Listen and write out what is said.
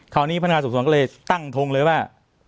คราวนี้พันธการสกสันก็เลยตั้งทงเลยว่า